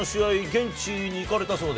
現地に行かれたそうで？